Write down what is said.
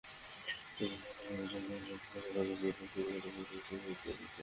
মির্জা ফখরুল অভিযোগ করেন, সরকার রানা প্লাজার দুর্ঘটনাকে পুঁজি করে রাজনীতি করতে চেয়েছিল।